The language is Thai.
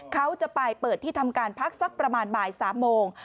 เขาจะไปเปิดที่ทำการพักสักประมาณบ่าย๓โมง